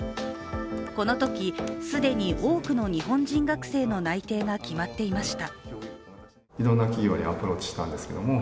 このとき、既に多くの日本人学生の内定が決まっていました。